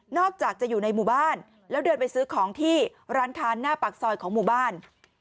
อกจากจะอยู่ในหมู่บ้านแล้วเดินไปซื้อของที่ร้านค้าหน้าปากซอยของหมู่บ้าน